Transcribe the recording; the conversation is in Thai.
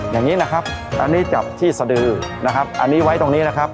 อย่างนี้นะครับอันนี้จับที่สดือนะครับอันนี้ไว้ตรงนี้นะครับ